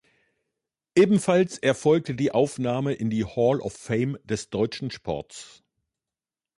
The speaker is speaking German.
Ebenfalls erfolgte die Aufnahme in die Hall of Fame des deutschen Sports.